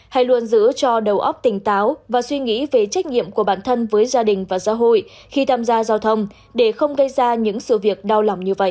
hãy luôn giữ cho đầu óc tỉnh táo và suy nghĩ về trách nhiệm của bản thân với gia đình và xã hội khi tham gia giao thông để không gây ra những sự việc đau lòng như vậy